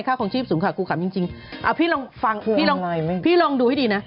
ค่าความชีพสูงค่ะกูขำจริงพี่ลองดูให้ดีนะ